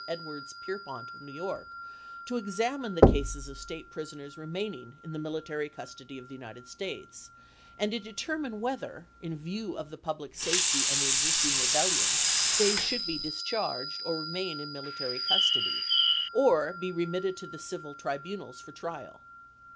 Edwards Pierrepont of New York to ex Feu. 27,1863. amine the cases of state prisoners remaining in the military custody of the United States, and to de termine whether, in view of the public safety and Morgan the existing rebellion, they should be discharged, or "Memoirs remain in military custody, or be remitted to the °*i)ix/'^" civil tribunals for trial.